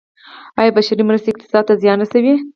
آیا بشري مرستې اقتصاد ته زیان رسوي؟